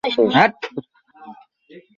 এটি রাশিয়ার একটি ঐতিহাসিক প্রাসাদ।